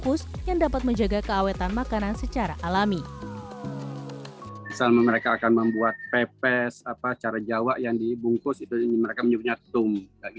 misalnya mereka akan membuat pepes cara jawa yang dibungkus itu mereka menyebutnya tum